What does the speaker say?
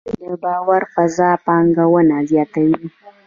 د باور فضا پانګونه زیاتوي؟